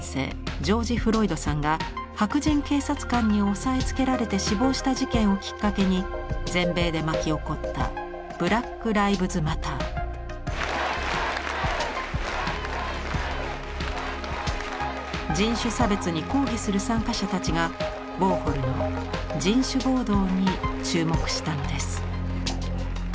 ジョージ・フロイドさんが白人警察官に押さえつけられて死亡した事件をきっかけに全米で巻き起こった人種差別に抗議する参加者たちがウォーホルの「人種暴動」に注目したのです。